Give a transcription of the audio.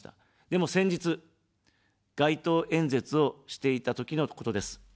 でも、先日、街頭演説をしていたときのことです。